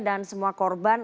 dan semua korban